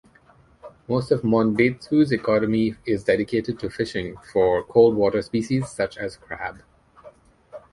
Most of Monbetsu's economy is dedicated to fishing for cold-water species such as crab.